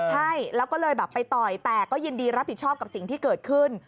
ใช่แล้วก็เลยแบบไปต่อยแต่ก็ยินดีรับผิดชอบกับสิ่งที่เกิดขึ้น